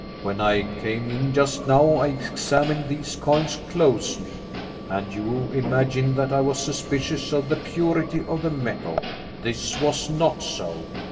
When I came in just now I examined these coins closely, and you imagined that I was suspicious of the purity of the metal. This was not so.